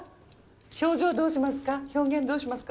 表情どうしますか？